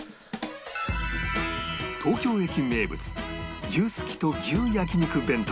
東京駅名物牛すきと牛焼肉弁当